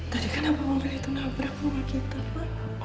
tadi kenapa mobil itu nabrak rumah kita pak